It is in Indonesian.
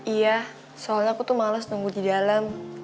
iya soalnya aku tuh males nunggu di dalam